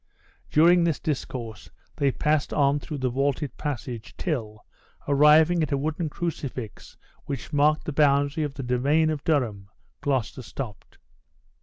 During this discourse, they passed on through the vaulted passage, till, arriving at a wooden crucifix which marked the boundary of the domain of Durham, Gloucester stopped.